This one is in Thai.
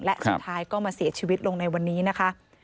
และสุดท้ายก็มาเสียชีวิตลงในวันนี้นะคะ